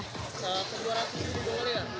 kejuaraan di mongolia